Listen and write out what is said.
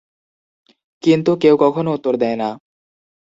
কিন্তু কেউ কখনো উত্তর দেয় না!